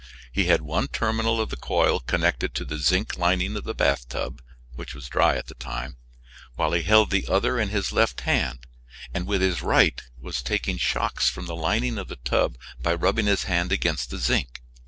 He had one terminal of the coil connected to the zinc lining of the bathtub which was dry at that time while he held the other in his left hand, and with his right was taking shocks from the lining of the tub by rubbing his hand against the zinc.